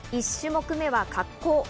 １種目目は滑降。